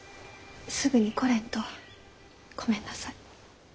すぐに来れんとごめんなさい。